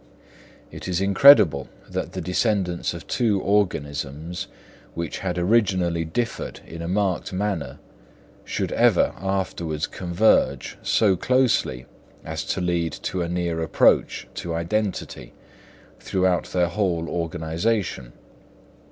It is incredible that the descendants of two organisms, which had originally differed in a marked manner, should ever afterwards converge so closely as to lead to a near approach to identity throughout their whole organisation.